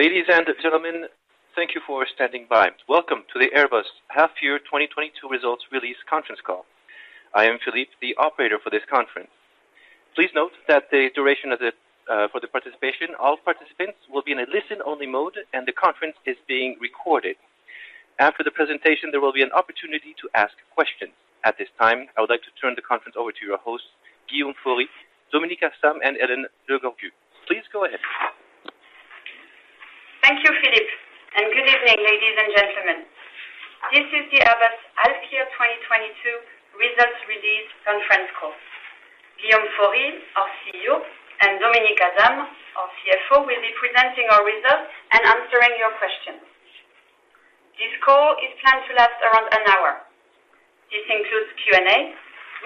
Ladies and gentlemen, thank you for standing by. Welcome to the Airbus Half Year 2022 Results Release conference call. I am Philippe, the operator for this conference. Please note that for the participation, all participants will be in a listen-only mode, and the conference is being recorded. After the presentation, there will be an opportunity to ask questions. At this time, I would like to turn the conference over to your host, Guillaume Faury, Dominik Asam, and Hélène Le Gorgeu. Please go ahead. Thank you, Philippe, and good evening, ladies and gentlemen. This is the Airbus Half Year 2022 Results Release conference call. Guillaume Faury, our CEO, and Dominik Asam, our CFO, will be presenting our results and answering your questions. This call is planned to last around an hour. This includes Q&A,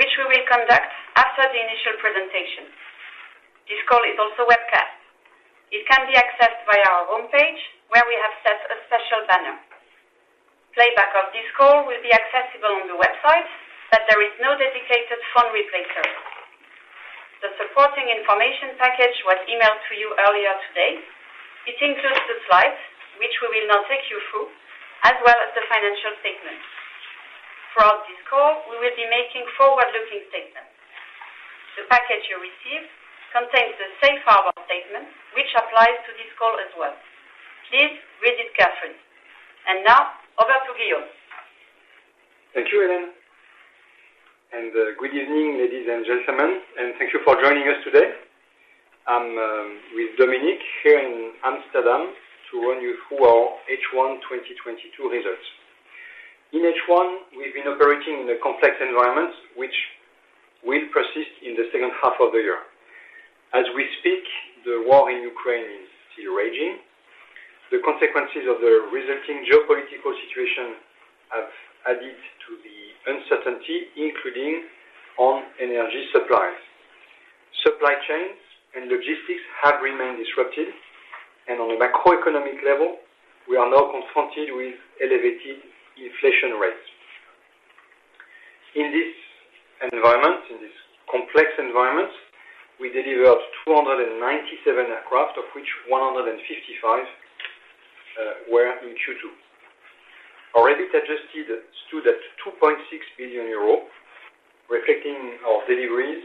which we will conduct after the initial presentation. This call is also webcast. It can be accessed via our homepage, where we have set a special banner. Playback of this call will be accessible on the website, but there is no dedicated phone replay service. The supporting information package was emailed to you earlier today. It includes the slides, which we will now take you through, as well as the financial statements. Throughout this call, we will be making forward-looking statements. The package you received contains the safe harbor statement which applies to this call as well. Please read it carefully. Now over to Guillaume. Thank you, Hélène. Good evening, ladies and gentlemen, and thank you for joining us today. I'm with Dominik here in Amsterdam to run you through our H1 2022 results. In H1, we've been operating in a complex environment which will persist in the second half of the year. As we speak, the war in Ukraine is still raging. The consequences of the resulting geopolitical situation have added to the uncertainty, including on energy supplies. Supply chains and logistics have remained disrupted, and on a macroeconomic level, we are now confronted with elevated inflation rates. In this environment, in this complex environment, we delivered 297 aircraft, of which 155 were in Q2. Our EBIT adjusted stood at 2.6 billion euros, reflecting our deliveries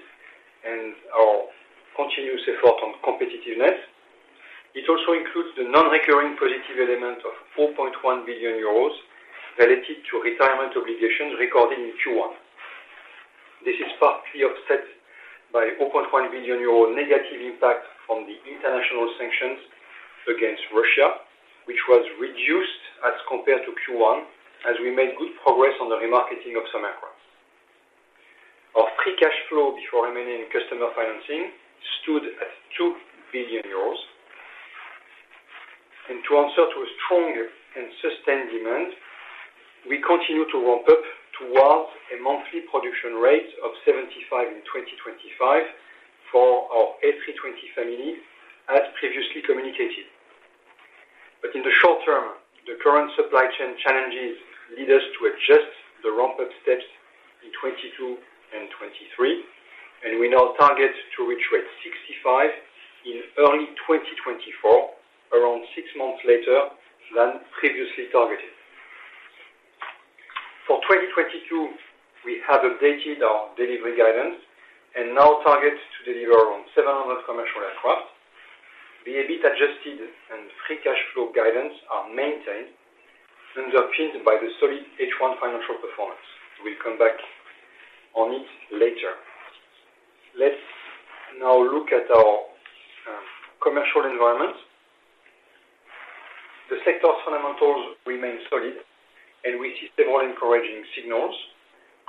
and our continuous effort on competitiveness. It also includes the non-recurring positive element of 4.1 billion euros related to retirement obligations recorded in Q1. This is partly offset by 0.1 billion euro negative impact from the international sanctions against Russia, which was reduced as compared to Q1 as we made good progress on the remarketing of some aircraft. Our free cash flow before customer financing stood at 2 billion euros. To answer to a strong and sustained demand, we continue to ramp up towards a monthly production rate of 75 in 2025 for our A320 Family as previously communicated. In the short term, the current supply chain challenges lead us to adjust the ramp-up steps in 2022 and 2023, and we now target to reach rate 65 in early 2024, around six months later than previously targeted. For 2022, we have updated our delivery guidance and now target to deliver around 700 commercial aircraft. The EBIT adjusted and free cash flow guidance are maintained and are pinned by the solid H1 financial performance. We'll come back on it later. Let's now look at our commercial environment. The sector fundamentals remain solid, and we see several encouraging signals.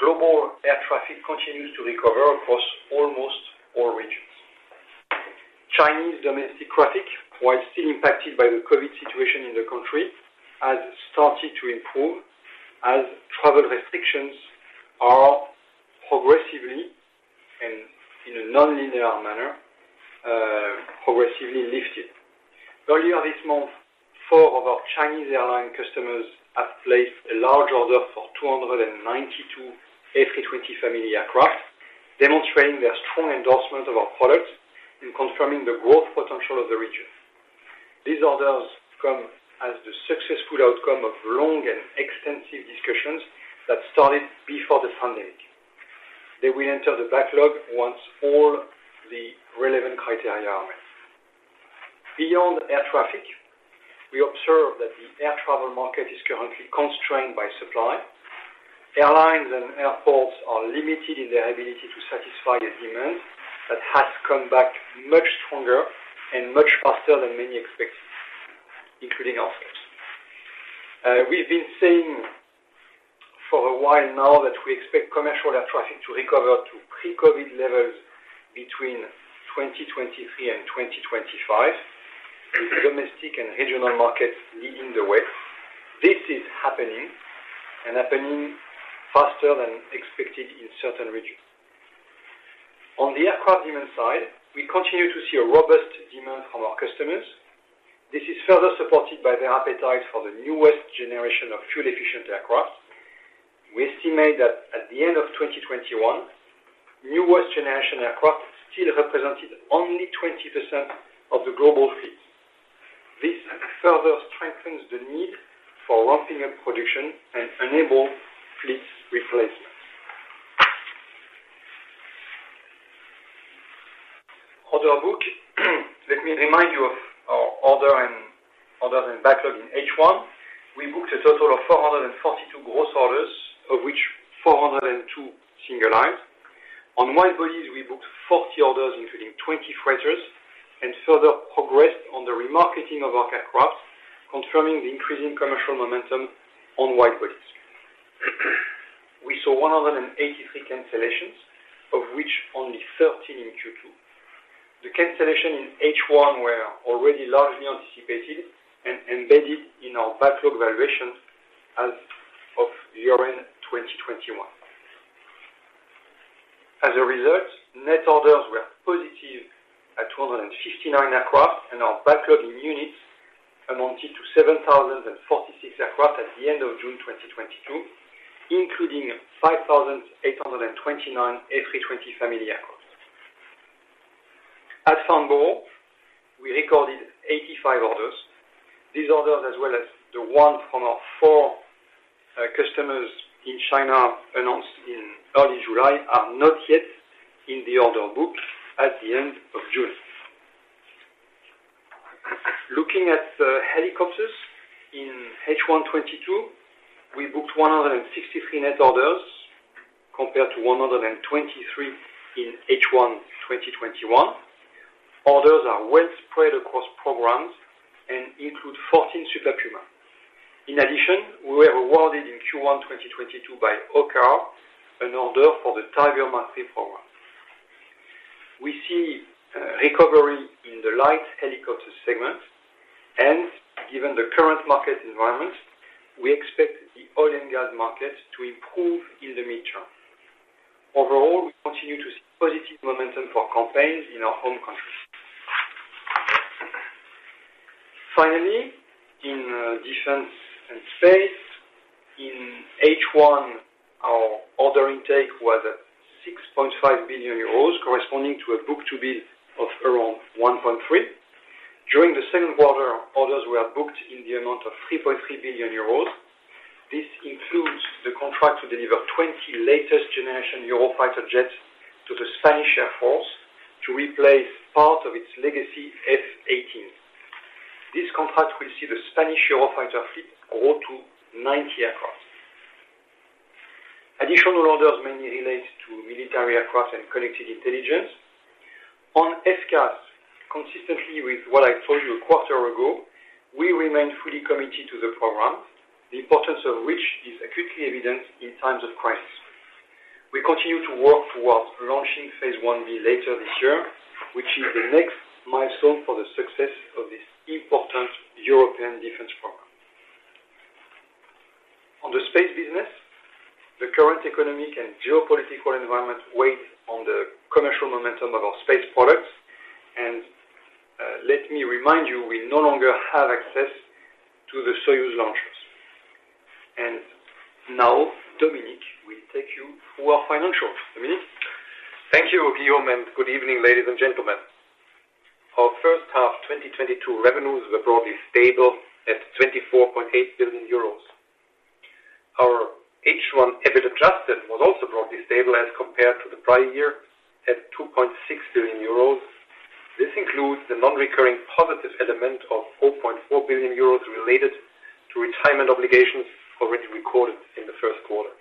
Global air traffic continues to recover across almost all regions. Chinese domestic traffic, while still impacted by the COVID situation in the country, has started to improve as travel restrictions are progressively and in a non-linear manner, progressively lifted. Earlier this month, four of our Chinese airline customers have placed a large order for 292 A320 Family aircraft, demonstrating their strong endorsement of our products in confirming the growth potential of the region. These orders come as the successful outcome of long and extensive discussions that started before the pandemic. They will enter the backlog once all the relevant criteria are met. Beyond air traffic, we observe that the air travel market is currently constrained by supply. Airlines and airports are limited in their ability to satisfy the demand that has come back much stronger and much faster than many expected, including ourselves. We've been saying for a while now that we expect commercial air traffic to recover to pre-COVID levels between 2023 and 2025, with domestic and regional markets leading the way. This is happening and happening faster than expected in certain regions. On the aircraft demand side, we continue to see a robust demand from our customers. This is further supported by their appetite for the newest generation of fuel-efficient aircraft. We estimate that at the end of 2021, new Western narrowbody aircraft still represented only 20% of the global fleet. This further strengthens the need for ramping up production and enable fleet replacement. Order book. Let me remind you of our order and backlog in H1. We booked a total of 442 gross orders, of which 402 single aisles. On wide-bodies, we booked 40 orders, including 20 freighters, and further progressed on the remarketing of aircraft, confirming the increasing commercial momentum on wide-bodies. We saw 183 cancellations, of which only 13 in Q2. The cancellation in H1 were already largely anticipated and embedded in our backlog valuation as of year-end 2021. As a result, net orders were positive at 259 aircraft, and our backlog in units amounted to 7,046 aircraft at the end of June 2022, including 5,829 A320 Family aircraft. At Farnborough, we recorded 85 orders. These orders, as well as the one from our four customers in China announced in early July, are not yet in the order book at the end of June. Looking at the helicopters, in H1 2022, we booked 163 net orders compared to 123 in H1 2021. Orders are well spread across programs and include 14 Super Puma. In addition, we were awarded in Q1 2022 by OCCAR an order for the Tiger MkIII program. We see recovery in the light helicopter segment, and given the current market environment, we expect the oil and gas market to improve in the mid-term. Overall, we continue to see positive momentum for campaigns in our home countries. Finally, in Defense and Space, in H1, our order intake was at 6.5 billion euros, corresponding to a book-to-bill of around 1.3. During the second quarter, orders were booked in the amount of 3.3 billion euros. This includes the contract to deliver 20 latest generation Eurofighter jets to the Spanish Air and Space Force to replace part of its legacy F/A-18. This contract will see the Spanish Eurofighter fleet grow to 90 aircraft. Additional orders mainly relates to military aircraft and Connected Intelligence. On FCAS, consistently with what I told you a quarter ago, we remain fully committed to the program, the importance of which is acutely evident in times of crisis. We continue to work towards launching phase 1B later this year, which is the next milestone for the success of this important European defense program. On the space business, the current economic and geopolitical environment weighs on the commercial momentum of our space products, and let me remind you, we no longer have access to the Soyuz launchers. Now, Dominik will take you through our financials. Dominik? Thank you, Guillaume, and good evening, ladies and gentlemen. Our first half 2022 revenues were broadly stable at 24.8 billion euros. Our H1 EBIT adjusted was also broadly stable as compared to the prior year at 2.6 billion euros. This includes the non-recurring positive element of 4.4 billion euros related to retirement obligations already recorded in the first quarter.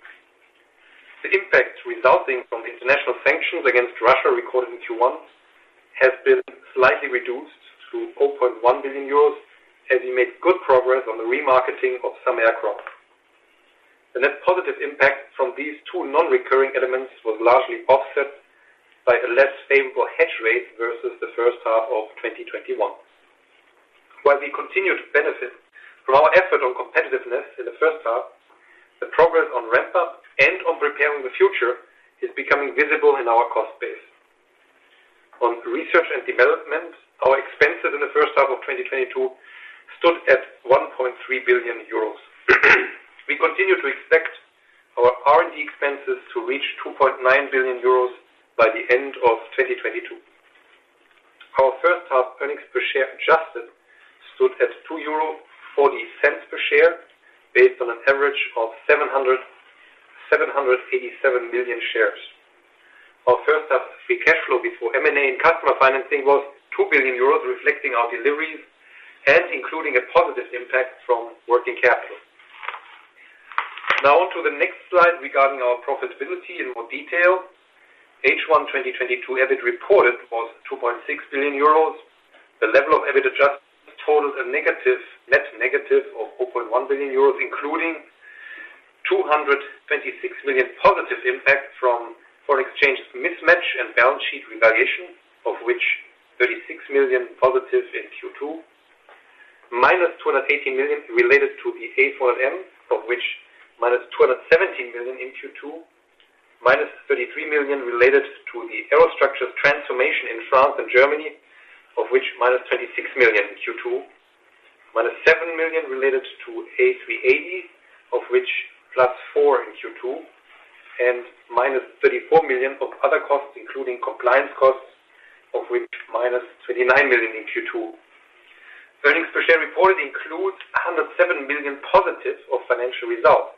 The impact resulting from the international sanctions against Russia recorded in Q1 has been slightly reduced to 0.1 billion euros as we made good progress on the remarketing of some aircraft. The net positive impact from these two non-recurring elements was largely offset by a less favorable hedge rate versus the first half of 2021. While we continue to benefit from our effort on competitiveness in the first half, the progress on ramp up and on preparing the future is becoming visible in our cost base. On research and development, our expenses in the first half of 2022 stood at 1.3 billion euros. We continue to expect our R&D expenses to reach 2.9 billion euros by the end of 2022. Our first half earnings per share adjusted stood at 2.40 euro per share based on an average of 787 million shares. Our first half free cash flow before M&A and customer financing was 2 billion euros, reflecting our deliveries and including a positive impact from working capital. Now on to the next slide regarding our profitability in more detail. H1 2022 EBIT reported was 2.6 billion euros. The level of EBIT adjusted totaled a net -0.1 billion euros, including 226 million positive impact from foreign exchange mismatch and balance sheet revaluation, of which 36 million positive in Q2, -218 million related to the A400M, of which -217 million in Q2, -33 million related to the Aerostructures transformation in France and Germany, of which -36 million in Q2. -7 million related to A380, of which +4 million in Q2, and -34 million of other costs, including compliance costs, of which -29 million in Q2. Earnings per share reported includes 107 million positives of financial results.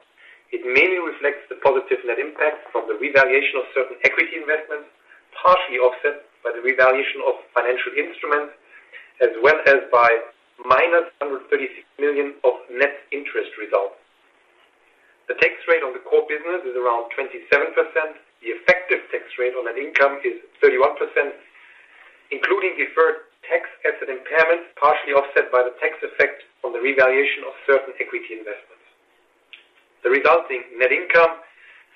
It mainly reflects the positive net impact from the revaluation of certain equity investments, partially offset by the revaluation of financial instruments, as well as by -136 million of net interest results. The tax rate on the core business is around 27%. The effective tax rate on net income is 31%, including deferred tax asset impairment, partially offset by the tax effect on the revaluation of certain equity investments. The resulting net income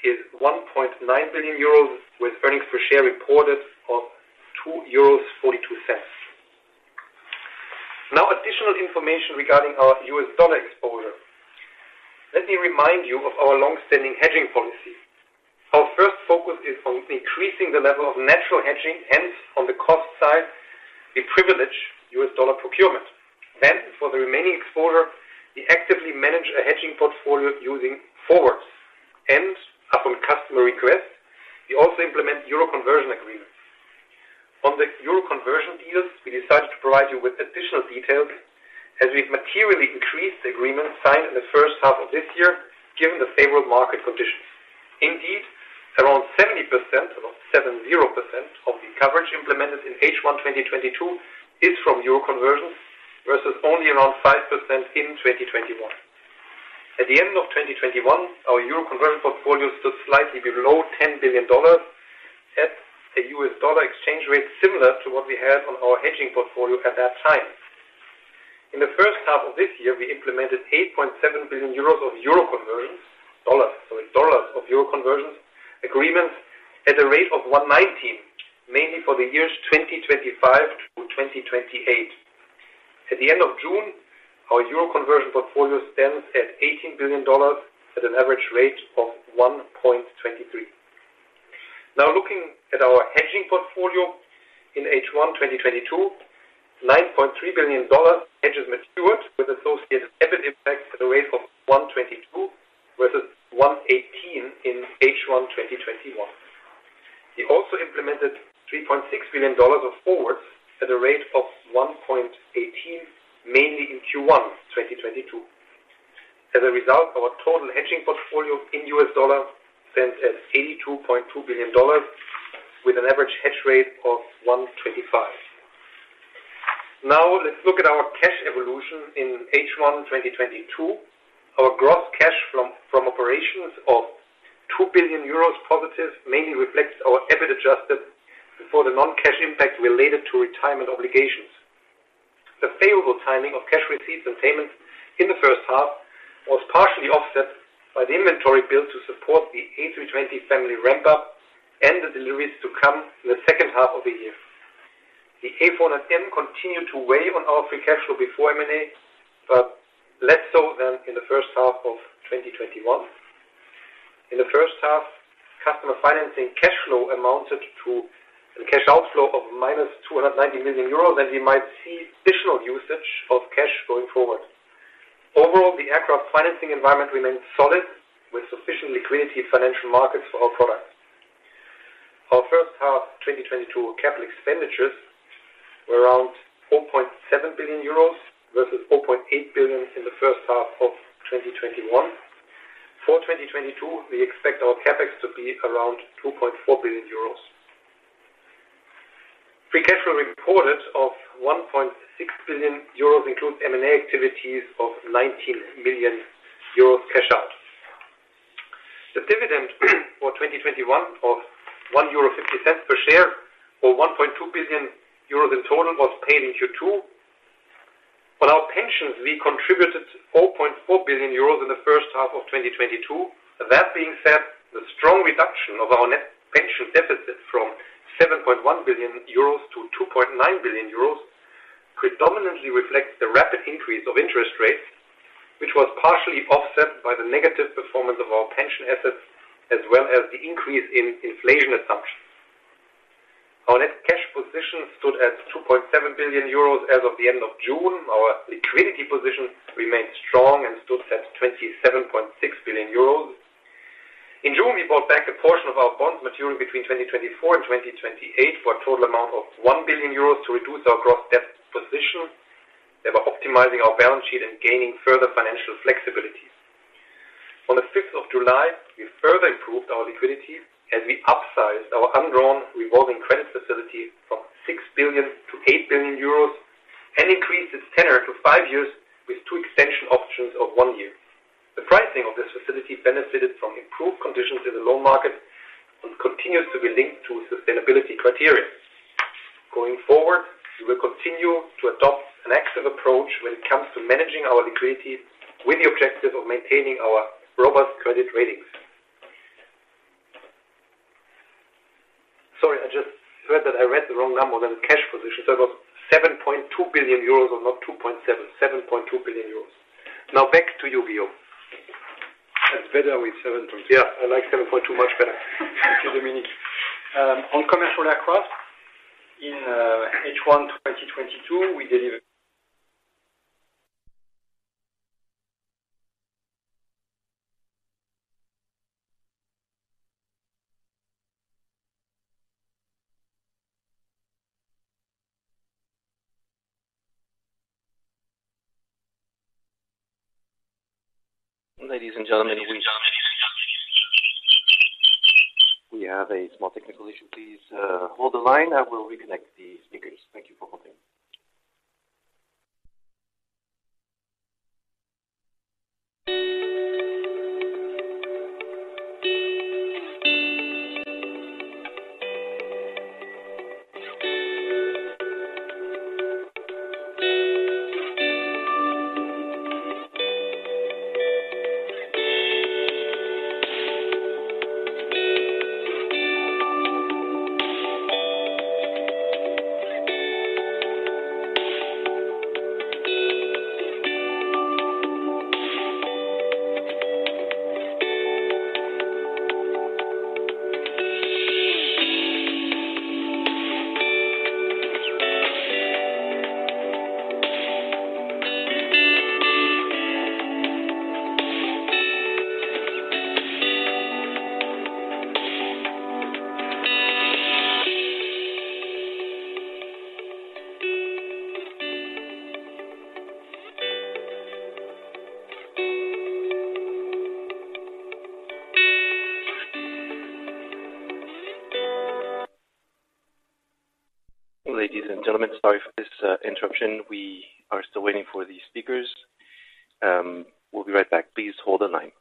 is 1.9 billion euros, with earnings per share reported of 2.42 euros. Now, additional information regarding our US dollar exposure. Let me remind you of our long-standing hedging policy. Our first focus is on increasing the level of natural hedging, hence, on the cost side, we privilege US dollar procurement. Then, for the remaining exposure, we actively manage a hedging portfolio using forwards. Upon customer request, we also implement euro conversion agreements. On the euro conversion deals, we decided to provide you with additional details as we've materially increased the agreements signed in the first half of this year, given the favorable market conditions. Indeed, around 70% of the coverage implemented in H1 2022 is from euro conversions versus only around 5% in 2021. At the end of 2021, our euro conversion portfolio stood slightly below $10 billion at a US dollar exchange rate similar to what we had on our hedging portfolio at that time. In the first half of this year, we implemented $8.7 billion of euro conversion agreements at a rate of 1.19, mainly for the years 2025 through 2028. At the end of June, our euro conversion portfolio stands at $18 billion at an average rate of 1.23. Now, looking at our hedging portfolio in H1 2022, $9.3 billion hedges matured with associated EBIT effects at a rate of 1.22 versus 1.18 in H1 2021. We also implemented $3.6 billion of forwards at a rate of 1.18, mainly in Q1 2022. As a result, our total hedging portfolio in US dollars stands at $82.2 billion with an average hedge rate of 1.25. Now, let's look at our cash evolution in H1 2022. Our gross cash from operations of 2 billion euros positive mainly reflects our EBIT adjusted before the non-cash impact related to retirement obligations. The favorable timing of cash receipts and payments in the first half was partially offset by the inventory build to support the A320 Family ramp-up and the deliveries to come in the second half of the year. The A400M continued to weigh on our free cash flow before M&A, but less so than in the first half of 2021. In the first half, customer financing cash flow amounted to a cash outflow of -290 million euros, and we might see additional usage of cash going forward. Overall, the aircraft financing environment remains solid, with sufficient liquidity in financial markets for our products. Our first half 2022 capital expenditures were around 4.7 billion euros, versus 4.8 billion in the first half of 2021. For 2022, we expect our CapEx to be around 2.4 billion euros. Free cash flow reported of 1.6 billion euros includes M&A activities of 19 million euros cash out. The dividend for 2021 of 1.50 euro per share or 1.2 billion euros in total was paid in Q2. For our pensions, we contributed 4.4 billion euros in the first half of 2022. That being said, the strong reduction of our net pension deficit from 7.1 billion-2.9 billion euros predominantly reflects the rapid increase of interest rates, which was partially offset by the negative performance of our pension assets as well as the increase in inflation assumptions. Our net cash position stood at 2.7 billion euros as of the end of June. Our liquidity position remained strong and stood at 27.6 billion euros. In June, we bought back a portion of our bonds maturing between 2024 and 2028 for a total amount of 1 billion euros to reduce our gross debt position, thereby optimizing our balance sheet and gaining further financial flexibility. On the 5th July, we further improved our liquidity as we upsized our undrawn revolving credit facility from 6 billion-8 billion euros and increased its tenor to five years with two extension options of one year. The pricing of this facility benefited from improved conditions in the loan market and continues to be linked to sustainability criteria. Going forward, we will continue to adopt an active approach when it comes to managing our liquidity with the objective of maintaining our robust credit ratings. Sorry, I just heard that I read the wrong number. The cash position, it was 7.2 billion euros and not 2.7 billion. 7.2 billion euros. Now back to you, Guillaume. That's better with 7.2 billion. Yeah. I like 7.2 billion much better. Thank you, Dominik. On commercial aircraft in H1 2022, we delivered. Ladies and gentlemen, we have a small technical issue. Please hold the line. I will reconnect the speakers. Thank you for holding. Ladies and gentlemen, sorry for this interruption. We are still waiting for the speakers. We'll be right back. Please hold the line.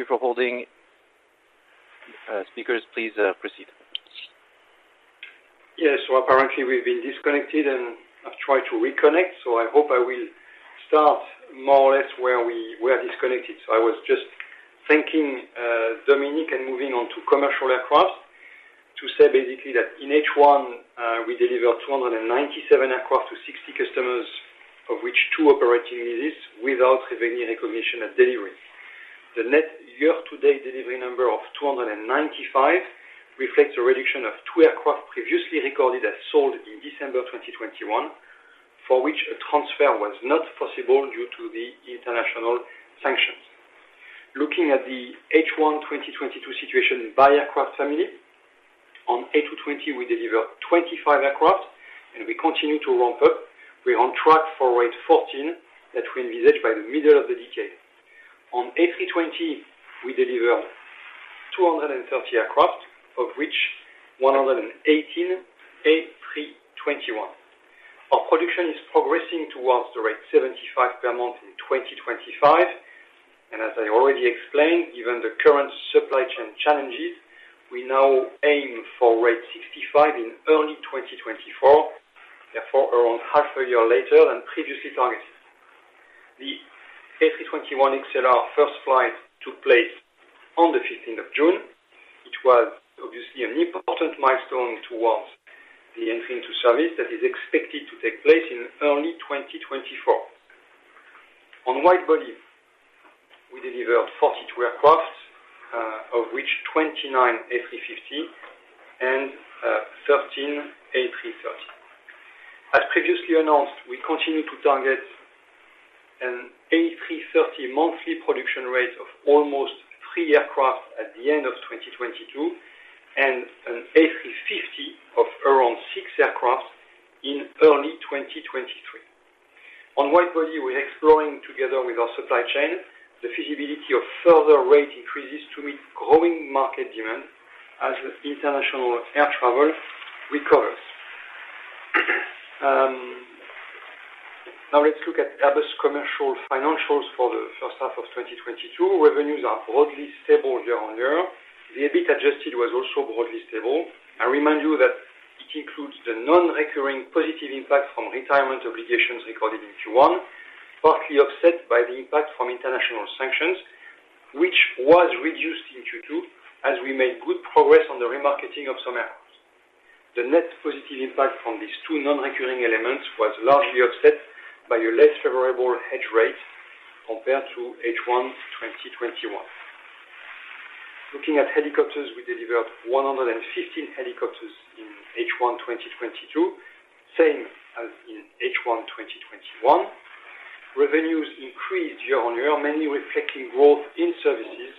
Ladies and gentlemen, thank you for holding. Speakers, please proceed. Yes. Apparently we've been disconnected, and I've tried to reconnect, so I hope I will start more or less where we were disconnected. I was just thanking Dominik and moving on to commercial aircraft to say basically that in H1, we delivered 297 aircraft to 60 customers, of which two operating leases without having any recognition at delivery. The net year-to-date delivery number of 295 reflects a reduction of two aircraft previously recorded as sold in December 2021, for which a transfer was not possible due to the international sanctions. Looking at the H1 2022 situation by aircraft family, on A220 we delivered 25 aircraft and we continue to ramp up. We're on track for rate 14 that we envisaged by the middle of the decade. On A320, we delivered 230 aircraft, of which 118 A321. Our production is progressing towards the rate 75 per month in 2025, and as I already explained, given the current supply chain challenges, we now aim for rate 65 in early 2024, therefore around half a year later than previously targeted. The A321XLR first flight took place on the 15th June, which was obviously an important milestone towards the entry into service that is expected to take place in early 2024. On wide-body, we delivered 42 aircraft, of which 29 A350 and 13 A330. As previously announced, we continue to target an A330 monthly production rate of almost three aircraft at the end of 2022 and an A350 of around six aircraft in early 2023. On wide-body, we're exploring together with our supply chain the feasibility of further rate increases to meet growing market demand as international air travel recovers. Now let's look at Airbus Commercial financials for the first half of 2022. Revenues are broadly stable year-on-year. The EBIT adjusted was also broadly stable. I remind you that it includes the non-recurring positive impact from retirement obligations recorded in Q1, partly offset by the impact from international sanctions, which was reduced in Q2 as we made good progress on the remarketing of some aircraft. The net positive impact from these two non-recurring elements was largely offset by a less favorable hedge rate compared to H1 2021. Looking at helicopters, we delivered 115 helicopters in H1 2022, same as in H1 2021. Revenues increased year-on-year, mainly reflecting growth in services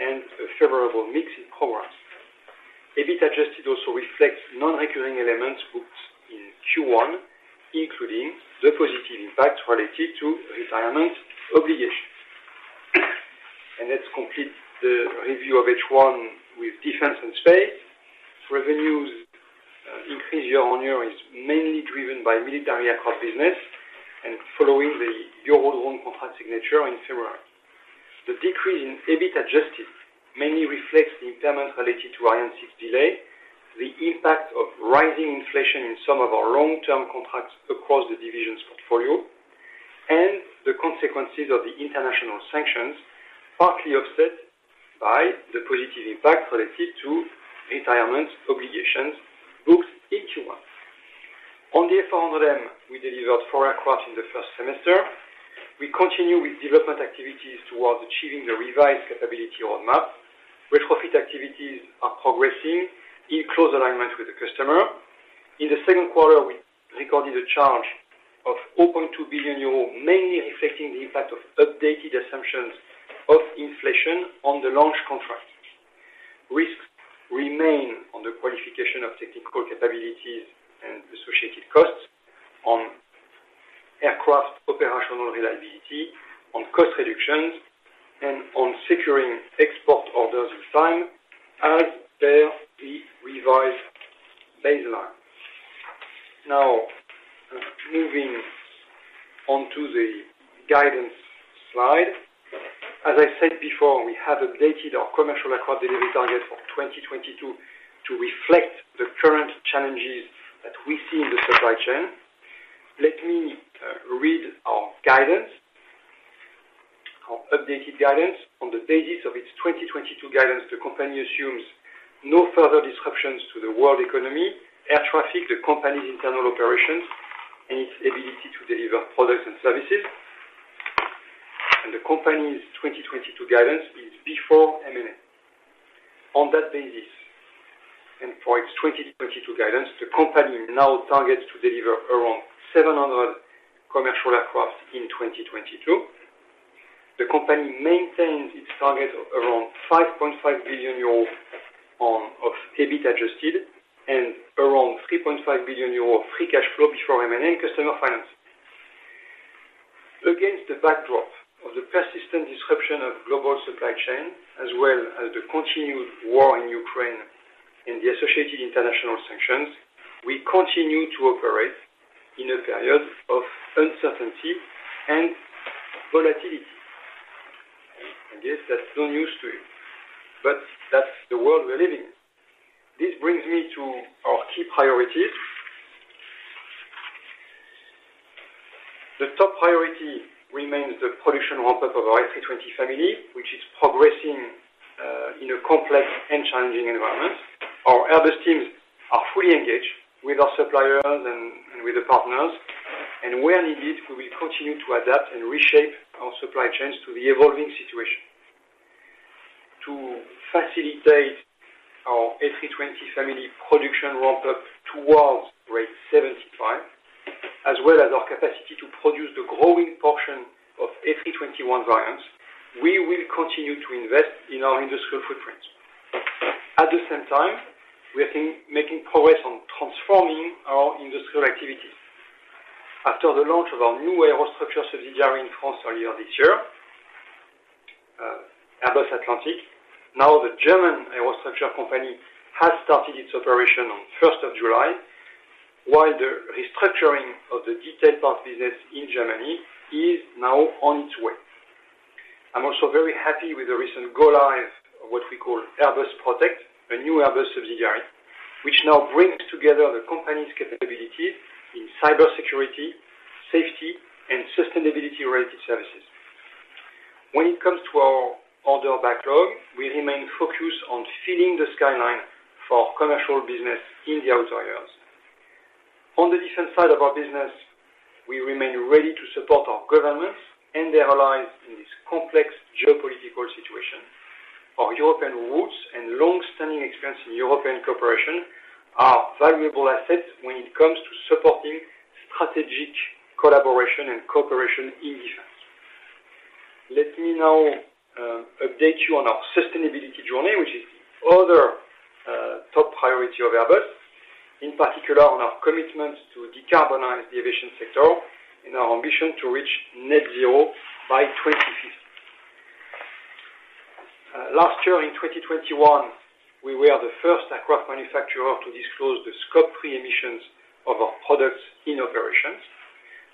and a favorable mix in programs. EBIT adjusted also reflects non-recurring elements booked in Q1, including the positive impact related to retirement obligations. Let's complete the review of H1 with defense and space. Revenues increase year-on-year is mainly driven by military aircraft business and following the Eurodrone contract signature in February. The decrease in EBIT adjusted mainly reflects the impairment related to Ariane 6's delay, the impact of rising inflation in some of our long-term contracts across the divisions portfolio, and the consequences of the international sanctions, partly offset by the positive impact related to retirement obligations booked in Q1. On the A400M, we delivered four aircraft in the first semester. We continue with development activities towards achieving the revised capability roadmap. Retrofit activities are progressing in close alignment with the customer. In the second quarter, we recorded a charge of 2 billion euros, mainly reflecting the impact of updated assumptions of inflation on the launch contract. Risks remain on the qualification of technical capabilities and associated costs on aircraft operational reliability, on cost reductions, and on securing export orders in time as per the revised baseline. Now, moving on to the guidance slide. As I said before, we have updated our commercial record delivery target for 2022 to reflect the current challenges that we see in the supply chain. Let me read our guidance, our updated guidance. On the basis of its 2022 guidance, the company assumes no further disruptions to the world economy, air traffic, the company's internal operations, and its ability to deliver products and services. The company's 2022 guidance is before M&A. On that basis, for its 2022 guidance, the company now targets to deliver around 700 commercial aircraft in 2022. The company maintains its target around 5.5 billion euros of EBIT adjusted and around 3.5 billion euros free cash flow before M&A customer financing. Against the backdrop of the persistent disruption of global supply chain, as well as the continued war in Ukraine and the associated international sanctions, we continue to operate in a period of uncertainty and volatility. I guess that's no news to you, but that's the world we're living in. This brings me to our key priorities. The top priority remains the production ramp-up of our A320 Family, which is progressing in a complex and challenging environment. Our Airbus teams are fully engaged with our suppliers and with the partners, and where needed, we will continue to adapt and reshape our supply chains to the evolving situation. To facilitate our A320 Family production ramp-up towards rate 75, as well as our capacity to produce the growing portion of A321 variants, we will continue to invest in our industrial footprint. At the same time, we are making progress on transforming our industrial activities. After the launch of our new aerostructure subsidiary in France earlier this year, Airbus Atlantic. Now the German aerostructure company has started its operation on first of July, while the restructuring of the detailed part business in Germany is now on its way. I'm also very happy with the recent go live, what we call Airbus Protect, a new Airbus subsidiary, which now brings together the company's capabilities in cybersecurity, safety, and sustainability-related services. When it comes to our order backlog, we remain focused on filling the skyline for commercial business in the out years. On the different side of our business, we remain ready to support our governments and their allies in this complex geopolitical situation. Our European roots and long-standing experience in European cooperation are valuable assets when it comes to supporting strategic collaboration and cooperation in defense. Let me now update you on our sustainability journey, which is the other top priority of Airbus. In particular, on our commitment to decarbonize the aviation sector and our ambition to reach net zero by 2050. Last year in 2021, we were the first aircraft manufacturer to disclose the Scope 3 emissions of our products in operations.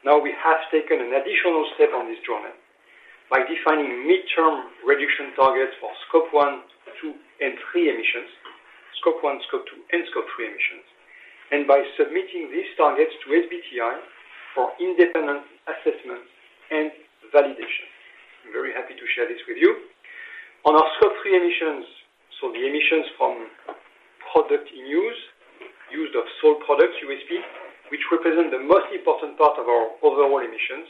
Now, we have taken an additional step on this journey by defining midterm reduction targets for Scope 1, Scope 2, and Scope 3 emissions by submitting these targets to SBTi for independent assessment and validation. I'm very happy to share this with you. On our Scope 3 emissions, so the emissions from product in use of sold products, USP, which represent the most important part of our overall emissions,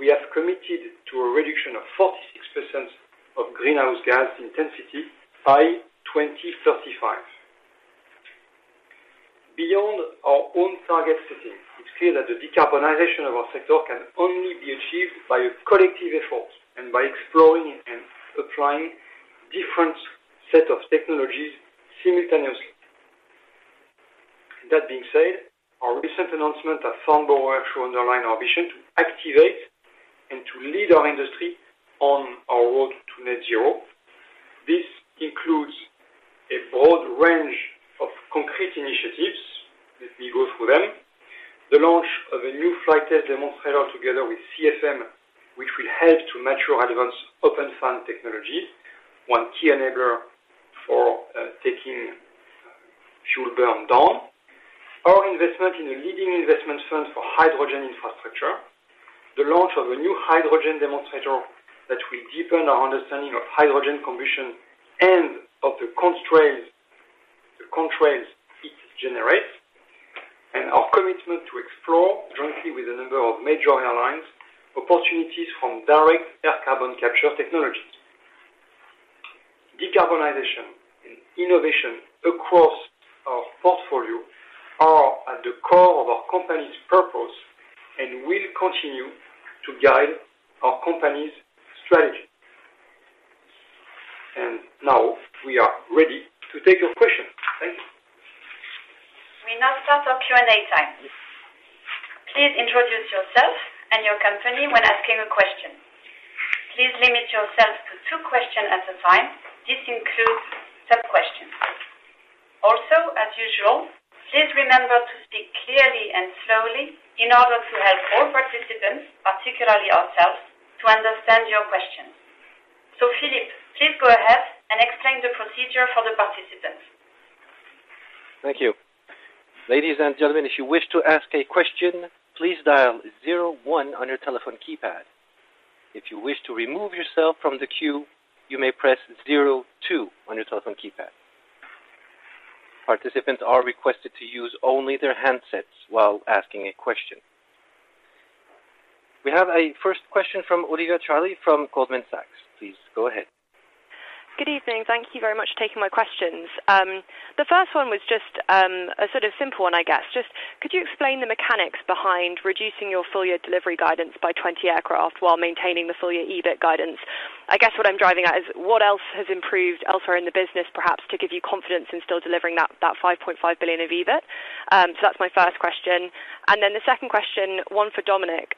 we have committed to a reduction of 46% of greenhouse gas intensity by 2035. Beyond our own target setting, it's clear that the decarbonization of our sector can only be achieved by a collective effort and by exploring and applying different set of technologies simultaneously. That being said, our recent announcement at Farnborough actually underlines our vision to activate and to lead our industry on our road to net zero. This includes a broad range of concrete initiatives. Let me go through them. The launch of a new flight test demonstrator together with CFM, which will help to mature advanced open fan technologies, one key enabler for taking fuel burn down. Our investment in a leading investment fund for hydrogen infrastructure, the launch of a new hydrogen demonstrator that will deepen our understanding of hydrogen combustion and of the constraints it generates, and our commitment to explore jointly with a number of major airlines, opportunities from direct air carbon capture technologies. Decarbonization and innovation across our portfolio are at the core of our company's purpose and will continue to guide our company's strategy. Now we are ready to take your questions. Thank you. We now start our Q&A time. Please introduce yourself and your company when asking a question. Please limit yourself to two questions at a time. This includes sub-questions. Also, as usual, please remember to speak clearly and slowly in order to help all participants, particularly ourselves, to understand your question. Philippe, please go ahead and explain the procedure for the participants. Thank you. Ladies and gentlemen, if you wish to ask a question, please dial zero one on your telephone keypad. If you wish to remove yourself from the queue, you may press zero two on your telephone keypad. Participants are requested to use only their handsets while asking a question. We have a first question from Olivier Brochet from Goldman Sachs. Please go ahead. Good evening. Thank you very much for taking my questions. The first one was just a sort of simple one, I guess. Could you explain the mechanics behind reducing your full-year delivery guidance by 20 aircraft while maintaining the full-year EBIT guidance? I guess what I'm driving at is what else has improved elsewhere in the business, perhaps to give you confidence in still delivering that 5.5 billion of EBIT. That's my first question. The second question, one for Dominik.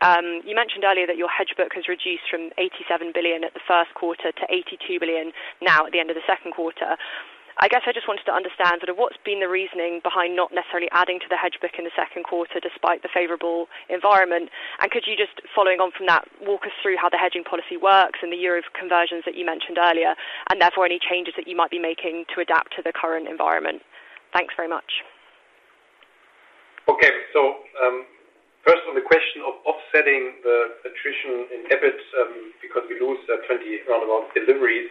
You mentioned earlier that your hedge book has reduced from 87 billion at the first quarter to 82 billion now at the end of the second quarter. I guess I just wanted to understand sort of what's been the reasoning behind not necessarily adding to the hedge book in the second quarter despite the favorable environment. Could you just follow on from that, walk us through how the hedging policy works and the euro conversions that you mentioned earlier, and therefore any changes that you might be making to adapt to the current environment? Thanks very much. Okay. First on the question of offsetting the attrition in EBIT, because we lose 20 round about deliveries.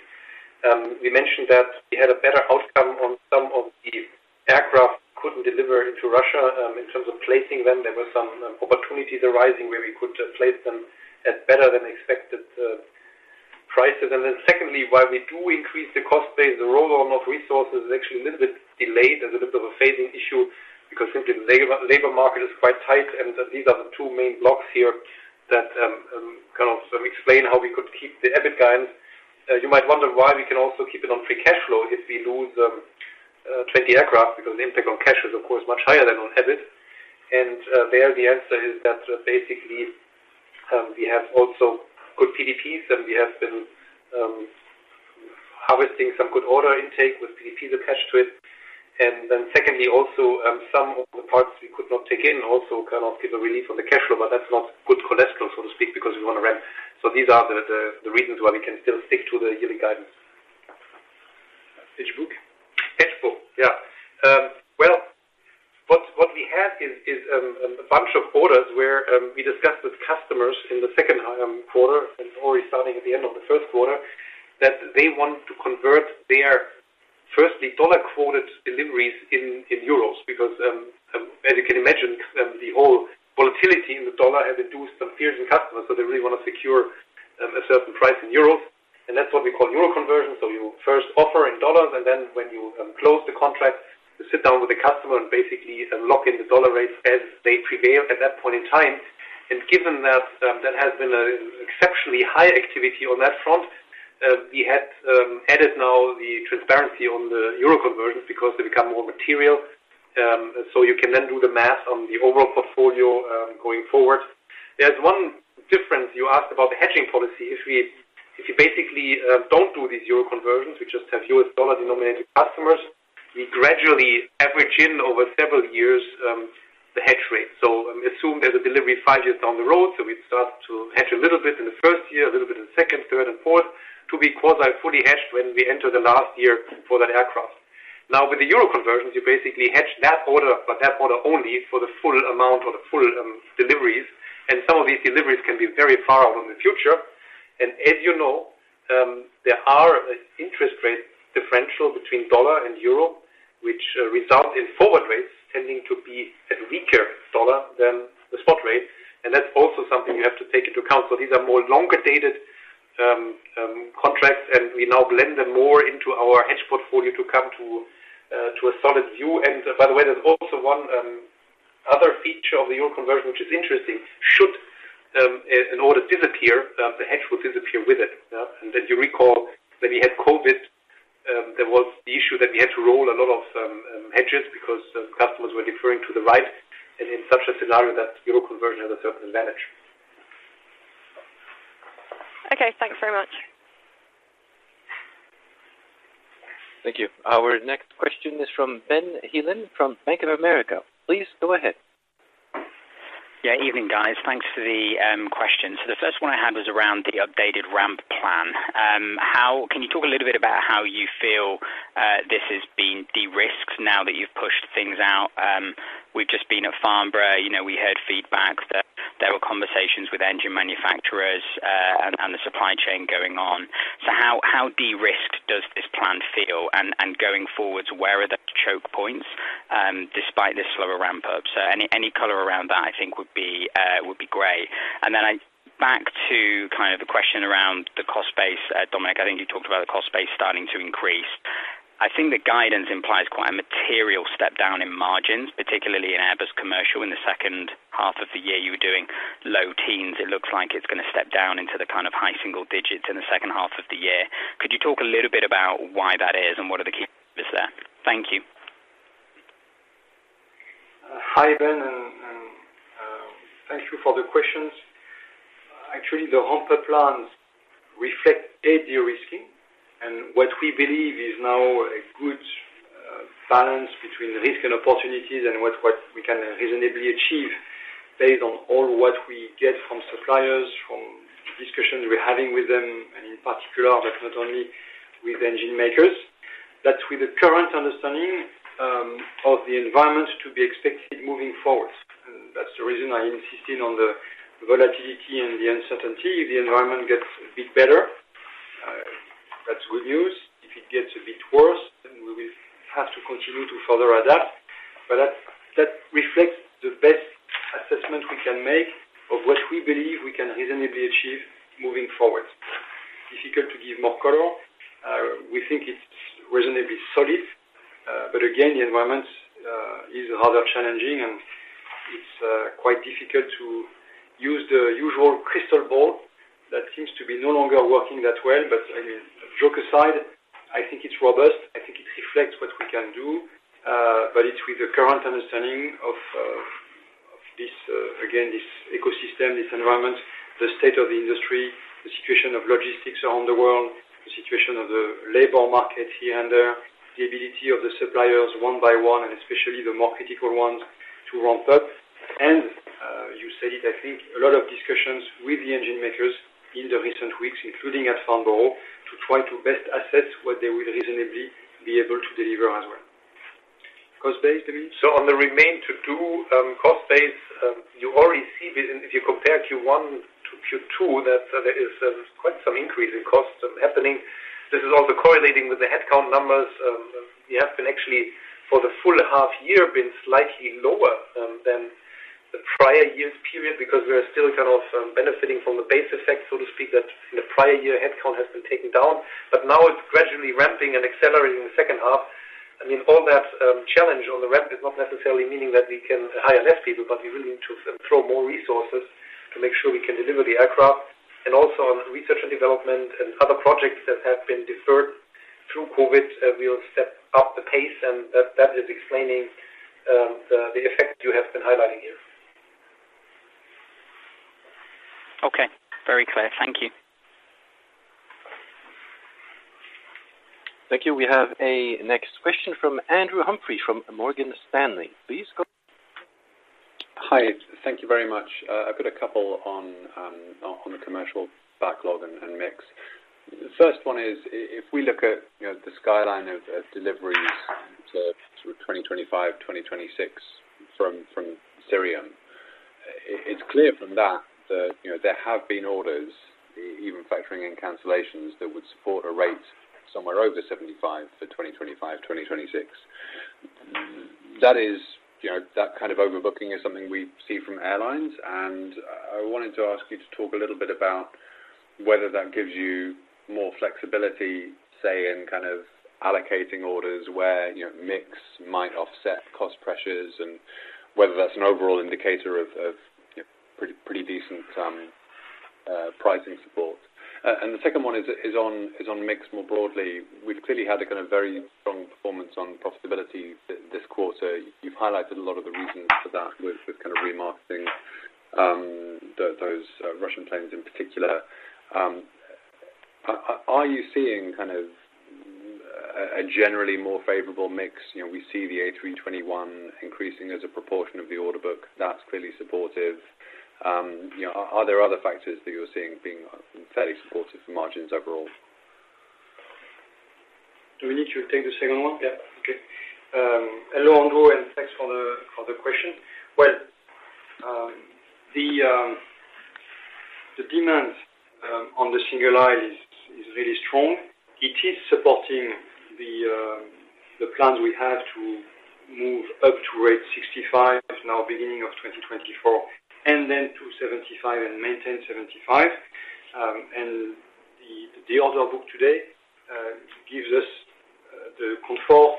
We mentioned that we had a better outcome on some of the aircraft couldn't deliver into Russia, in terms of placing them. There were some opportunities arising where we could place them at better than expected prices. Secondly, while we do increase the cost base, the rollover of resources is actually a little bit delayed as a bit of a phasing issue because simply labor market is quite tight, and these are the two main blocks here that kind of explain how we could keep the EBIT guidance. You might wonder why we can also keep it on free cash flow if we lose 20 aircraft, because the impact on cash is of course much higher than on EBIT. There the answer is that basically, we have also good PDPs, and we have been harvesting some good order intake with PDP, the cash tied to it. Secondly, also, some of the parts we could not take in also kind of give a relief on the cash flow, but that's not good cholesterol, so to speak, because we want to ramp. These are the reasons why we can still stick to the yearly guidance. Hedge book. Hedge book. Yeah. Well, what we have is a bunch of orders where we discussed with customers in the second quarter and already starting at the end of the first quarter, that they want to convert their firstly dollar quoted deliveries into euros, because as you can imagine, the whole volatility in the dollar has induced some fears in customers, so they really want to secure a certain price in euros, and that's what we call euro conversions. You first offer in dollars, and then when you close the contract, you sit down with the customer and basically lock in the dollar rates as they prevail at that point in time. Given that that has been an exceptionally high activity on that front, we had added now the transparency on the euro conversions because they become more material. You can then do the math on the overall portfolio going forward. There's one difference. You asked about the hedging policy. If you basically don't do these euro conversions, we just have US dollar denominated customers. We gradually average in over several years the hedge rate. Assume there's a delivery five years down the road, so we start to hedge a little bit in the first year, a little bit in second, third and fourth to be quasi fully hedged when we enter the last year for that aircraft. Now, with the euro conversions, you basically hedge that order, but that order only for the full amount or the full deliveries. Some of these deliveries can be very far out in the future. As you know, there are interest rate differential between dollar and euro, which result in forward rates tending to be a weaker dollar than the spot rate. That's also something you have to take into account. These are more long-dated contracts, and we now blend them more into our hedge portfolio to come to a solid view. By the way, there's also one other feature of the euro conversion, which is interesting, should an order disappear, the hedge will disappear with it. As you recall, when we had COVID, there was the issue that we had to roll a lot of hedges because customers were deferring to the right. In such a scenario, that euro conversion has a certain advantage. Okay, thanks very much. Thank you. Our next question is from Benjamin Heelan from Bank of America. Please go ahead. Good evening, guys. Thanks for the questions. The first one I had was around the updated ramp plan. How can you talk a little bit about how you feel this has been de-risked now that you've pushed things out? We've just been at Farnborough. You know, we heard feedback that there were conversations with engine manufacturers and the supply chain going on. So how de-risked does this plan feel? And going forward, where are the choke points despite this slower ramp up? So any color around that I think would be great. And then back to kind of the question around the cost base, Dominik, I think you talked about the cost base starting to increase. I think the guidance implies quite a material step down in margins, particularly in Airbus commercial. In the second half of the year, you were doing low teens. It looks like it's gonna step down into the kind of high single digits in the second half of the year. Could you talk a little bit about why that is and what are the key risks there? Thank you. Hi, Benjamin, thank you for the questions. Actually, the ramp up plans reflect a de-risking and what we believe is now a good balance between risk and opportunities and what we can reasonably achieve based on all that we get from suppliers, from discussions we're having with them, and in particular, but not only with engine makers. That with the current understanding of the environment to be expected moving forward. That's the reason I insisted on the volatility and the uncertainty. If the environment gets a bit better, that's good news. If it gets a bit worse, then we will have to continue to further adapt. That reflects the best assessment we can make of what we believe we can reasonably achieve moving forward. Difficult to give more color. We think it's reasonably solid, but again, the environment is rather challenging, and it's quite difficult to use the usual crystal ball that seems to be no longer working that well. I mean, joke aside, I think it's robust. I think it reflects what we can do, but it's with the current understanding of this, again, this ecosystem, this environment, the state of the industry, the situation of logistics around the world, the situation of the labor market here and there, the ability of the suppliers one by one, and especially the more critical ones to ramp up. You said it, I think a lot of discussions with the engine makers in the recent weeks, including at Farnborough, to try to best assess what they will reasonably be able to deliver as well. Cost base, Dominik? On the remain to-do cost base, you already see this, and if you compare Q1 to Q2, that there is quite some increase in costs happening. This is also correlating with the headcount numbers. We have actually been for the full half year slightly lower than the prior year's period because we are still kind of benefiting from the base effect, so to speak, that in the prior year, headcount has been taken down, but now it's gradually ramping and accelerating in the second half. I mean, all that challenge on the ramp is not necessarily meaning that we can hire less people, but we really need to throw more resources to make sure we can deliver the aircraft. Also on research and development and other projects that have been deferred through COVID, we'll step up the pace, and that is explaining the effect you have been highlighting here. Okay. Very clear. Thank you. Thank you. We have a next question from Andrew Humphrey from Morgan Stanley. Please go ahead. Hi. Thank you very much. I've got a couple on the commercial backlog and mix. The first one is if we look at, you know, the skyline of deliveries to sort of 2025, 2026 from Cirium, it's clear from that, you know, there have been orders, even factoring in cancellations, that would support a rate somewhere over 75 for 2025, 2026. That is, you know, that kind of overbooking is something we see from airlines. I wanted to ask you to talk a little bit about whether that gives you more flexibility, say, in kind of allocating orders where, you know, mix might offset cost pressures and whether that's an overall indicator of, you know, pretty decent pricing support. The second one is on mix more broadly. We've clearly had kind of very strong performance on profitability this quarter. You've highlighted a lot of the reasons for that with kind of remarketing those Russian planes in particular. Are you seeing kind of a generally more favorable mix? You know, we see the A321 increasing as a proportion of the order book. That's clearly supportive. You know, are there other factors that you're seeing being fairly supportive for margins overall? Dominik, you take the second one? Yeah. Okay. Hello, Andrew, and thanks for the question. Well, the demand on the single aisle is really strong. It is supporting the plans we have to move up to rate 65 now beginning of 2024, and then to 75 and maintain 75. The order book today gives us the control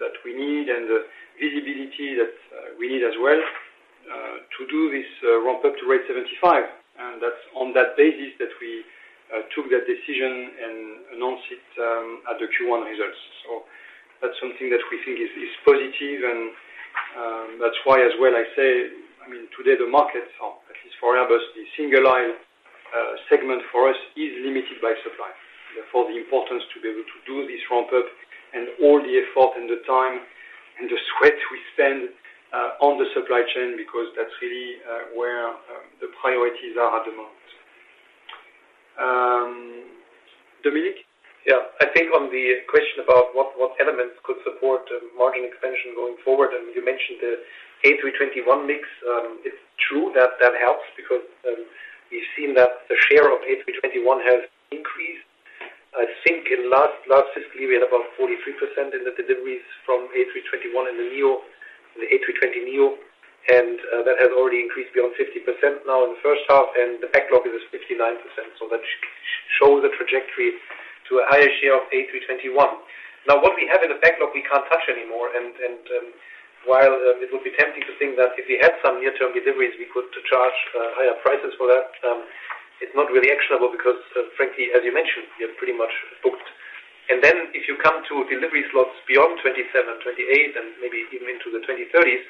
that we need and the visibility that we need as well to do this ramp-up to rate 75. That's on that basis that we took that decision and announced it at the Q1 results. That's something that we think is positive and that's why as well I say, I mean, today the markets are, at least for Airbus, the single aisle segment for us is limited by supply. Therefore, the importance to be able to do this ramp-up and all the effort and the time and the sweat we spend on the supply chain because that's really where the priorities are at the moment. Dominik? Yeah. I think on the question about what elements could support margin expansion going forward, and you mentioned the A321 mix. It's true that that helps because we've seen that the share of A321 has increased. I think in last fiscal year, we had about 43% in the deliveries from A321 and the neo, the A320neo, and that has already increased beyond 50% now in the first half, and the backlog is at 59%. That shows a trajectory to a higher share of A321. Now, what we have in the backlog, we can't touch anymore. While it would be tempting to think that if we had some near-term deliveries, we could charge higher prices for that, it's not really actionable because, frankly, as you mentioned, we are pretty much booked. If you come to delivery slots beyond 2027, 2028 and maybe even into the 2030s,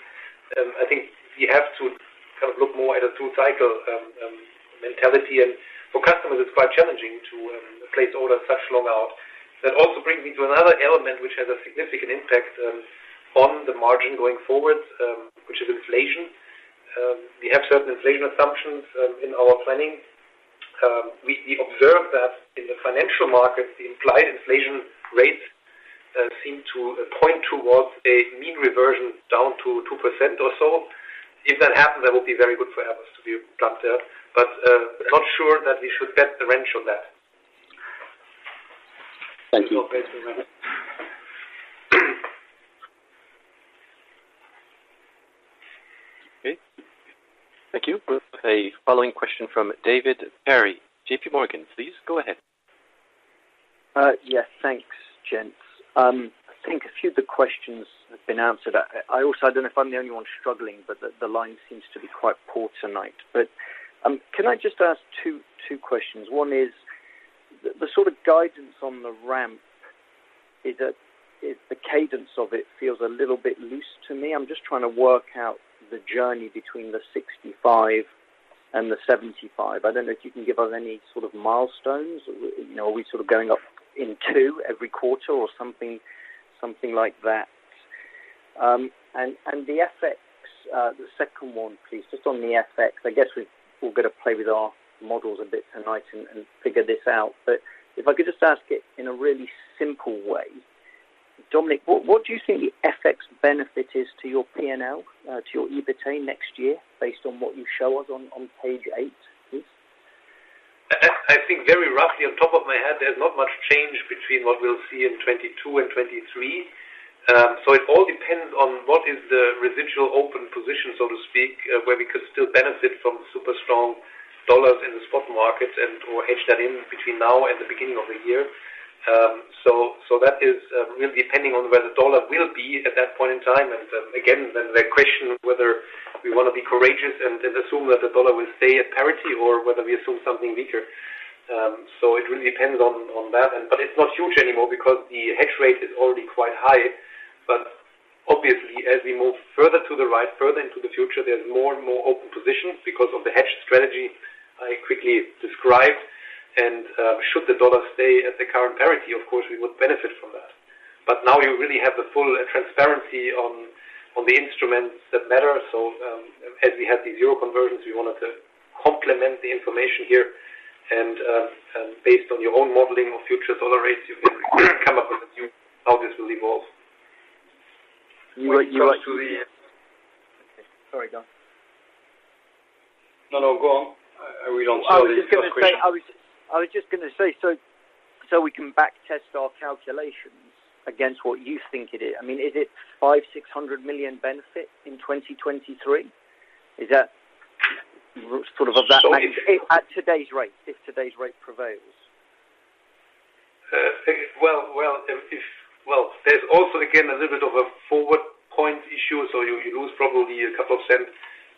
I think we have to kind of look more at a two-cycle mentality. For customers, it's quite challenging to place orders so long out. That also brings me to another element which has a significant impact on the margin going forward, which is inflation. We have certain inflation assumptions in our planning. We observe that in the financial markets, the implied inflation rates seem to point towards a mean reversion down to 2% or so. If that happens, that will be very good for Airbus to be plugged there. Not sure that we should bet the ranch on that. Thank you. No bets on that. Okay. Thank you. We have a following question from David Perry, J.P. Morgan. Please go ahead. Yes, thanks, gents. I think a few of the questions have been answered. I also don't know if I'm the only one struggling, but the line seems to be quite poor tonight. Can I just ask two questions? One is the sort of guidance on the ramp—is the cadence of it feels a little bit loose to me. I'm just trying to work out the journey between the 65 and the 75. I don't know if you can give us any sort of milestones. You know, are we sort of going up in two every quarter or something like that? The FX, the second one, please, just on the FX. I guess we've all got to play with our models a bit tonight and figure this out. If I could just ask it in a really simple way. Dominik, what do you think the FX benefit is to your P&L, to your EBITDA next year based on what you show us on page eight, please? I think very roughly off the top of my head, there's not much change between what we'll see in 2022 and 2023. It all depends on what is the residual open position, so to speak, where we could still benefit from the super strong dollar in the spot market and or hedge that in between now and the beginning of the year. So that is really depending on where the dollar will be at that point in time. Again, the question of whether we wanna be courageous and assume that the dollar will stay at parity or whether we assume something weaker. It really depends on that. But it's not huge anymore because the hedge rate is already quite high. Obviously, as we move further to the right, further into the future, there's more and more open positions because of the hedge strategy I quickly described. Should the dollar stay at the current parity, of course, we would benefit from that. Now you really have the full transparency on the instruments that matter. As we had the euro conversion, we wanted to complement the information here. Based on your own modeling of future dollar rates, you can come up with how this will evolve. You are. Okay. Sorry, Dominik. No, no. Go on. We don't see this as a question. I was just gonna say, so we can back test our calculations against what you think it is. I mean, is it 500 million-600 million benefit in 2023? Is that sort of that nature? So if- At today's rate, if today's rate prevails. Well, there's also, again, a little bit of a forward point issue. You lose probably a couple of cents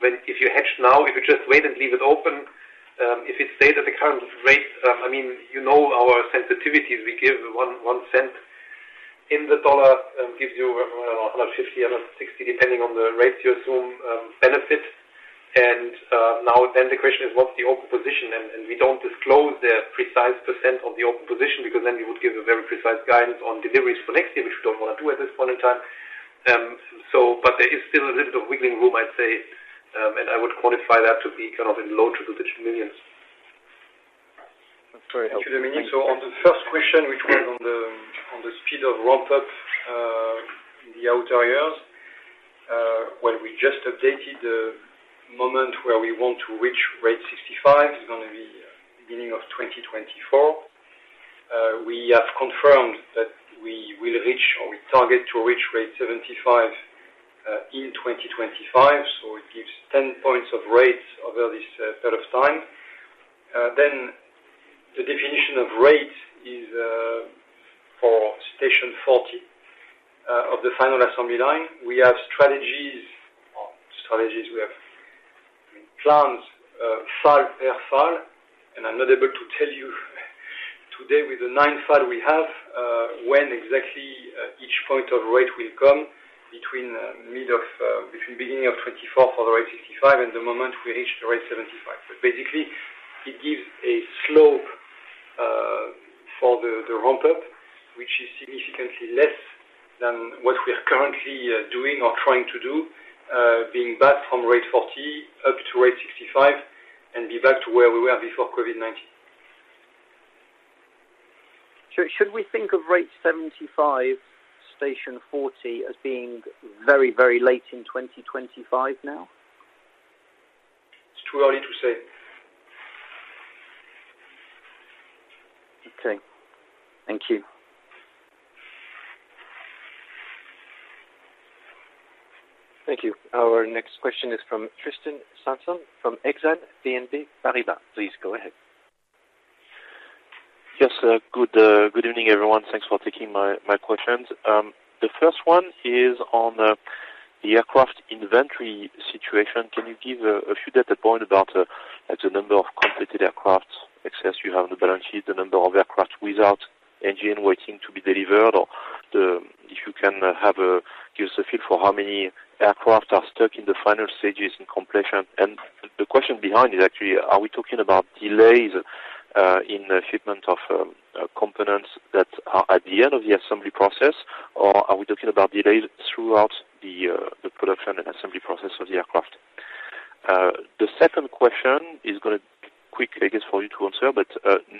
if you hedge now. If you just wait and leave it open, if it stays at the current rate, I mean, you know our sensitivities. We give one cent in the dollar, gives you 150-160, depending on the rate you assume, benefit. Now then the question is what's the open position? We don't disclose the precise percent of the open position because then we would give a very precise guidance on deliveries for next year, which we don't wanna do at this point in time. There is still a little bit of wiggling room, I'd say. I would quantify that to be kind of in low single-digit millions. That's very helpful. Thank you, Dominik. On the first question, which was on the speed of ramp-up in the outer years, well, we just updated the moment where we want to reach rate 65 is gonna be beginning of 2024. We have confirmed that we will reach or we target to reach rate 75 in 2025. It gives 10 points of rates over this period of time. Then the definition of rate is for Station 40 of the final assembly line. We have strategies we have plans FAL per FAL, and I'm not able to tell you today with the nine FALs we have when exactly each point of rate will come between the beginning of 2024 for the rate 65 and the moment we reach the rate 75. Basically it gives a slope for the ramp up, which is significantly less than what we are currently doing or trying to do, being back from rate 40 up to rate 65 and be back to where we were before COVID-19. Should we think of rate 75 Station 40 as being very, very late in 2025 now? It's too early to say. Okay. Thank you. Thank you. Our next question is from Tristan Sanson, from Exane BNP Paribas. Please go ahead. Yes. Good evening, everyone. Thanks for taking my questions. The first one is on the aircraft inventory situation. Can you give a few data points about the number of completed aircraft excess you have on the balance sheet, the number of aircraft without engine waiting to be delivered? If you can give us a feel for how many aircraft are stuck in the final stages in completion. The question behind is actually, are we talking about delays in the shipment of components that are at the end of the assembly process, or are we talking about delays throughout the production and assembly process of the aircraft? The second question is gonna be quick, I guess, for you to answer, but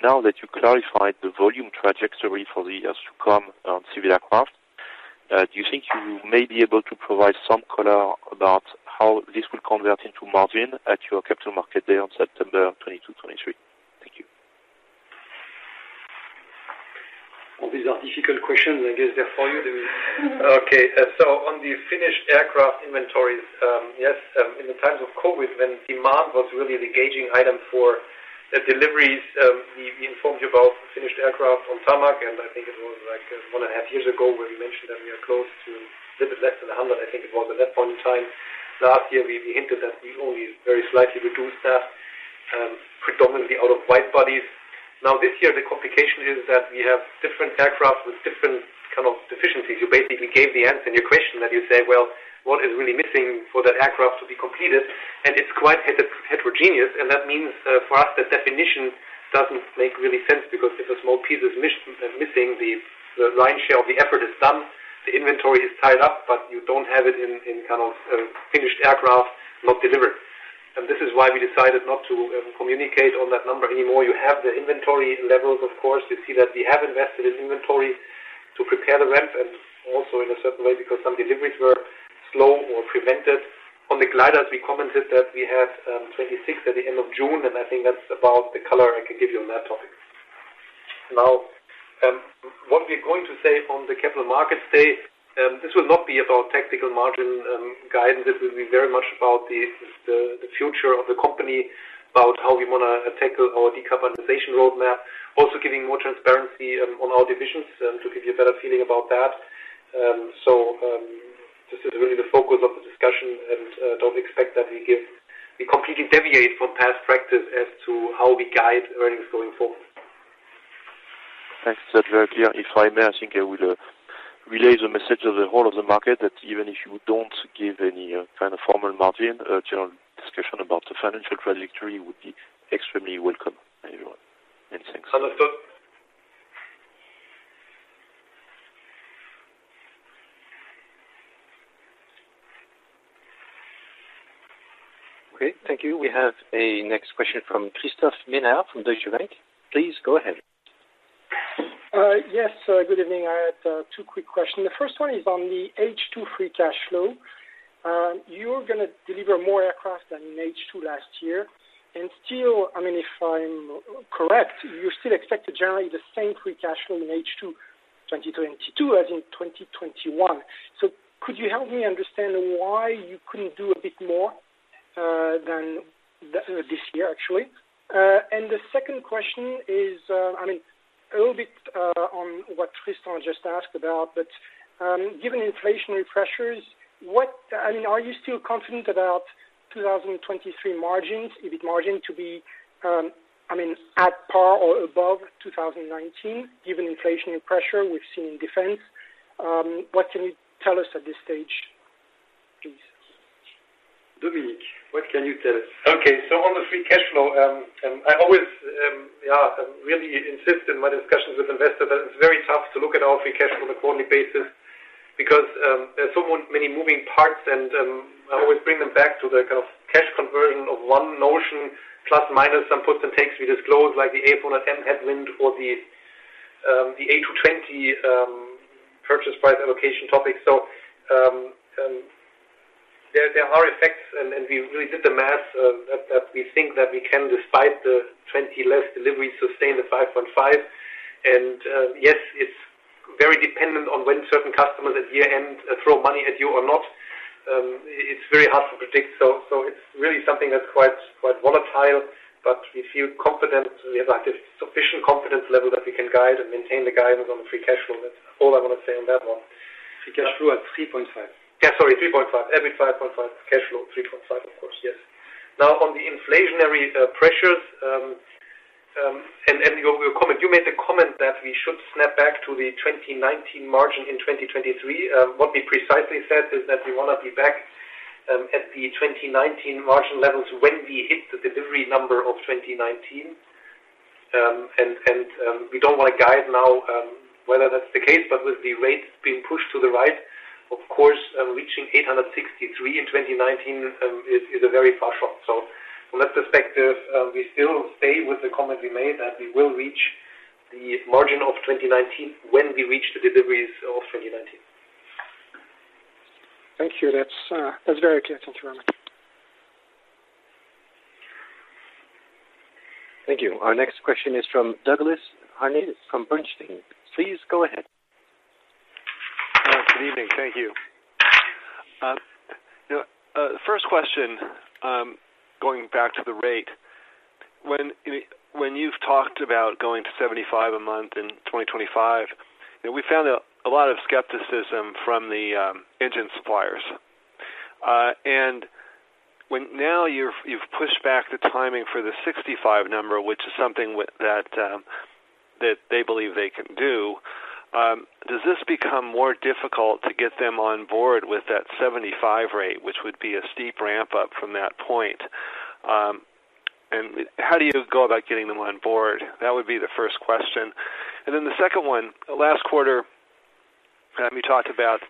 now that you clarified the volume trajectory for the years to come on civil aircraft, do you think you may be able to provide some color about how this will convert into margin at your capital market day on September 22, 2023? Thank you. All these are difficult questions, I guess, they're for you, Dominik. Okay. On the finished aircraft inventories, yes, in the times of COVID, when demand was really the gating item for the deliveries, we informed you about finished aircraft on tarmac, and I think it was like 1.5 years ago where we mentioned that we are close to a little less than 100, I think it was at that point in time. Last year, we hinted that we only very slightly reduced that, predominantly out of wide bodies. Now this year the complication is that we have different aircraft with different kind of deficiencies. You basically gave the answer in your question that you say, "Well, what is really missing for that aircraft to be completed?" It's quite heterogeneous, and that means, for us, the definition doesn't make really sense because if a small piece is missing, the lion's share of the effort is done, the inventory is tied up, but you don't have it in kind of finished aircraft not delivered. This is why we decided not to communicate on that number anymore. You have the inventory levels, of course. You see that we have invested in inventory to prepare the ramp and also in a certain way because some deliveries were slow or prevented. On the gliders, we commented that we had 26 at the end of June, and I think that's about the color I can give you on that topic. Now, what we're going to say on the Capital Markets Day, this will not be about tactical margin guidance. This will be very much about the future of the company, about how we wanna tackle our decarbonization roadmap. Also giving more transparency on our divisions to give you a better feeling about that. This is really the focus of the discussion, and don't expect that we give. We completely deviate from past practice as to how we guide earnings going forward. Thanks. That's very clear. If I may, I think I would relay the message of the whole of the market that even if you don't give any kind of formal margin, a general discussion about the financial trajectory would be extremely welcome everywhere. Thanks. Understood. Great. Thank you. We have a next question from Christophe Menard from Deutsche Bank. Please go ahead. Yes. Good evening. I had two quick questions. The first one is on the H2 free cash flow. You're gonna deliver more aircraft than in H2 last year, and still, I mean, if I'm correct, you still expect to generate the same free cash flow in H2 2022 as in 2021. Could you help me understand why you couldn't do a bit more than this year actually? The second question is, I mean, a little bit on what Tristan just asked about, but given inflationary pressures, I mean, are you still confident about 2023 margins, EBIT margin to be at par or above 2019, given inflationary pressure we've seen in defense? What can you tell us at this stage, please? Dominik, what can you tell us? On the free cash flow, I always, yeah, really insist in my discussions with investors that it's very tough to look at our free cash flow on a quarterly basis because there's so many moving parts, and I always bring them back to the kind of cash conversion of one notion plus minus some puts and takes we disclose, like the A400M headwind or the A220 purchase price allocation topic. There are effects and we really did the math that we think that we can, despite the 20 less deliveries, sustain the 5.5. Yes, it's very dependent on when certain customers at year-end throw money at you or not. It's very hard to predict. It's really something that's quite volatile, but we feel confident. We have a sufficient confidence level that we can guide and maintain the guidance on the free cash flow. That's all I wanna say on that one. Free cash flow at 3.5. Yeah, sorry, 3.5. EBIT 5.5, cash flow 3.5, of course, yes. Now on the inflationary pressures and your comment. You made the comment that we should snap back to the 2019 margin in 2023. What we precisely said is that we wanna be back at the 2019 margin levels when we hit the delivery number of 2019. We don't wanna guide now whether that's the case, but with the rates being pushed to the right, of course, reaching 863 in 2019 is a very far shot. From that perspective, we still stay with the comment we made that we will reach the margin of 2019 when we reach the deliveries of 2019. Thank you. That's very clear, thanks very much. Thank you. Our next question is from Douglas Harned from Bernstein. Please go ahead. Good evening. Thank you. You know, first question, going back to the rate. When you've talked about going to 75 a month in 2025, you know, we found a lot of skepticism from the engine suppliers. When now you've pushed back the timing for the 65 number, which is something that they believe they can do, does this become more difficult to get them on board with that 75 rate, which would be a steep ramp up from that point? And how do you go about getting them on board? That would be the first question. Then the second one. Last quarter, you talked about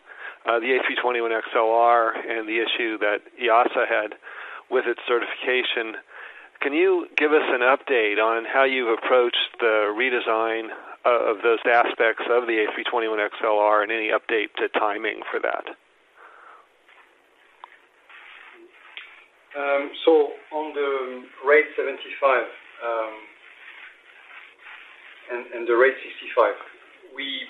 the A321XLR and the issue that EASA had with its certification. Can you give us an update on how you approached the redesign of those aspects of the A321XLR and any update to timing for that? On the rate 75 and the rate 65, we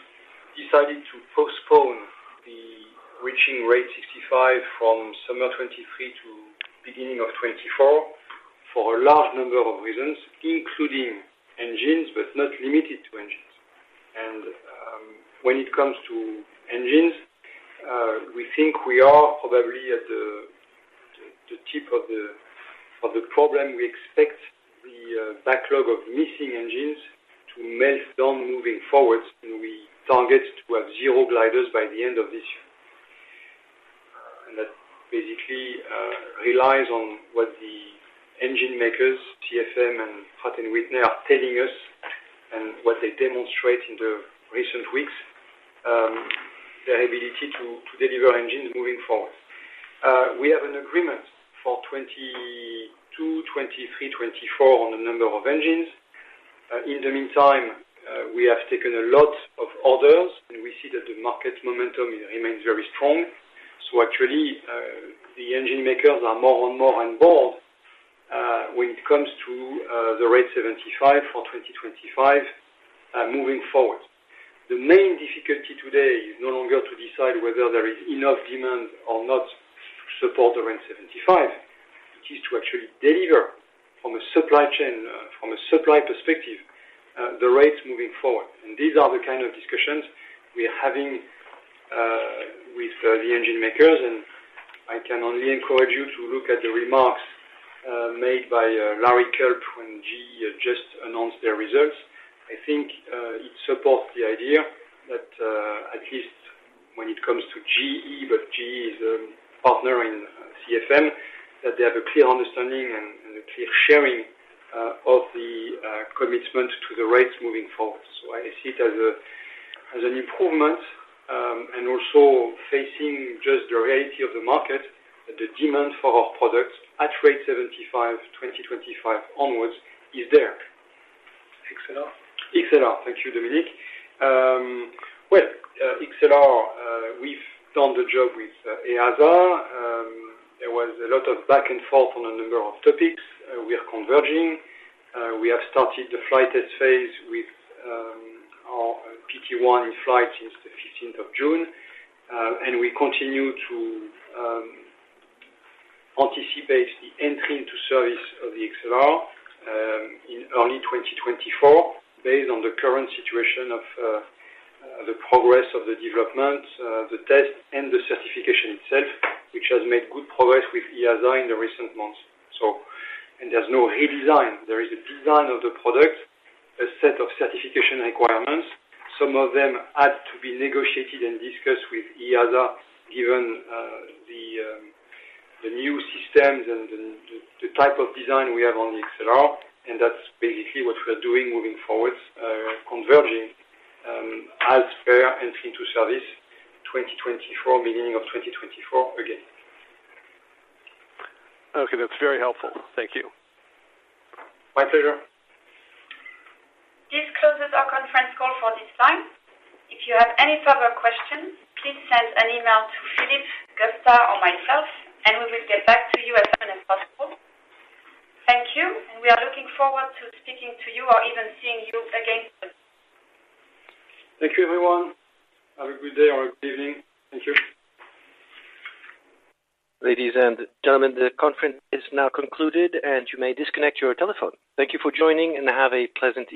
decided to postpone the reaching rate 65 from summer 2023 to beginning of 2024 for a large number of reasons, including engines, but not limited to engines. When it comes to engines, we think we are probably at the tip of the problem. We expect the backlog of missing engines to melt down moving forward, and we target to have zero gliders by the end of this year. That basically relies on what the engine makers, CFM and Pratt & Whitney, are telling us and what they demonstrate in the recent weeks, their ability to deliver engines moving forward. We have an agreement for 2022, 2023, 2024 on a number of engines. In the meantime, we have taken a lot of orders, and we see that the market momentum remains very strong. Actually, the engine makers are more and more on board when it comes to the rate 75 for 2025, moving forward. The main difficulty today is no longer to decide whether there is enough demand or not to support the rate 75. It is to actually deliver from a supply chain, from a supply perspective, the rates moving forward. These are the kind of discussions we are having with the engine makers, and I can only encourage you to look at the remarks made by Larry Culp when GE just announced their results. I think it supports the idea that at least when it comes to GE, but GE is a partner in CFM, that they have a clear understanding and a clear sharing of the commitment to the rates moving forward. I see it as an improvement and also facing just the reality of the market, the demand for our products at rate 75, 2025 onwards is there. XLR? XLR. Thank you, Dominik. Well, XLR, we've done the job with EASA. There was a lot of back and forth on a number of topics. We are converging. We have started the flight test phase with our PT1 in flight since the 15th June. We continue to anticipate the entry into service of the XLR in early 2024, based on the current situation of the progress of the development, the test, and the certification itself, which has made good progress with EASA in the recent months. There's no redesign. There is a design of the product, a set of certification requirements. Some of them had to be negotiated and discussed with EASA, given the new systems and the type of design we have on the XLR. That's basically what we're doing moving forward, converging, as per entry into service 2024, beginning of 2024 again. Okay. That's very helpful. Thank you. My pleasure. This closes our conference call for this time. If you have any further questions, please send an email to Philippe, Gustav, or myself, and we will get back to you as soon as possible. Thank you, and we are looking forward to speaking to you or even seeing you again soon. Thank you, everyone. Have a good day or good evening. Thank you. Ladies and gentlemen, the conference is now concluded, and you may disconnect your telephone. Thank you for joining, and have a pleasant evening.